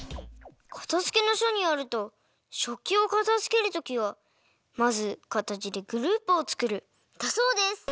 「かたづけの書」によると「食器をかたづける時はまず形でグループをつくる」だそうです！